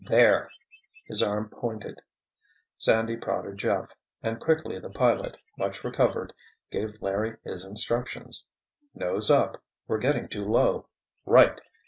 "There!" His arm pointed. Sandy prodded Jeff, and quickly the pilot, much recovered, gave Larry his instructions. "Nose up—we're getting too low. Right!